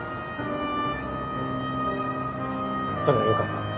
それはよかった。